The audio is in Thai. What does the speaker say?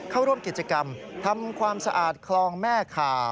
เข้าร่วมกิจกรรมทำความสะอาดคลองแม่ขา